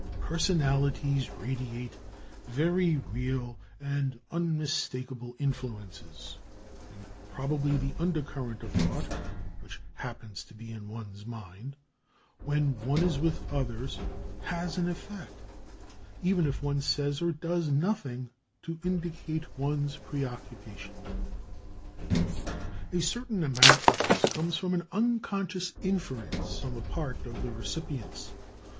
Personalities radiate very real and unmistakable influences, and probably the undercurrent of thought which happens to be in one's mind when one is with others has an effect, even if one says or does nothing to indicate one's preoccupation. A certain amount of this comes from an unconscious inference on the part of the recipients.